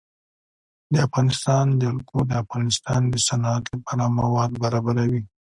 د افغانستان جلکو د افغانستان د صنعت لپاره مواد برابروي.